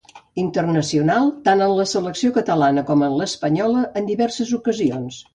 Internacional tant en la selecció catalana com l'espanyola en diverses ocasions.